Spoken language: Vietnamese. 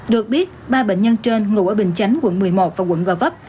được biết ba bệnh nhân trên ngụ ở bình chánh quận một mươi một và quận gò vấp